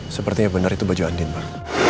sepertinya benar itu baju andin pak